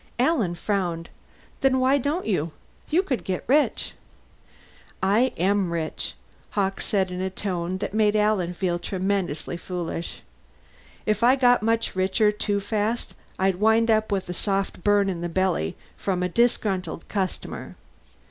Alan frowned. "Then why don't you? You could get rich!" "I am rich," Hawkes said in a tone that made Alan feel tremendously foolish. "If I got much richer too fast I'd wind up with a soft burn in the belly from a disgruntled customer.